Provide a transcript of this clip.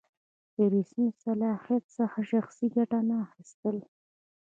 له رسمي صلاحیت څخه شخصي ګټه نه اخیستل.